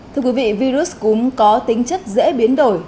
thưa quý vị virus cúm có tính chất dễ biến đổi